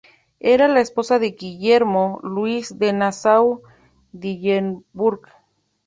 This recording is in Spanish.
Era la esposa de Guillermo Luis de Nassau-Dillenburg.